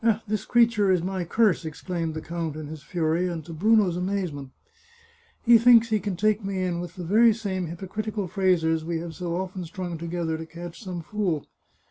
" This creature is my curse !" exclaimed the count in his fury, and to Bruno's amazement. " He thinks he can take me in with the very same hypocritical phrases we have so often strung together to catch some fool."